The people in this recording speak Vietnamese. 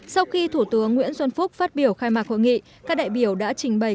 sau khi thủ tướng nguyễn xuân phúc phát biểu khai mạc hội nghị các đại biểu đã trình bày